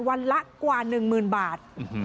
วันละกว่า๑๐๐๐บาท